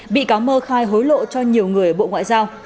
bị cáo mơ khai hối lộ cho nhiều người ở ngoại giao